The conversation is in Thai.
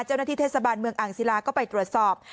เจ้าหน้าที่เทศบาลเมืองอ่างศิลาก็ไปตรวจสอบ